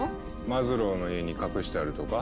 マズローの家に隠してあるとか？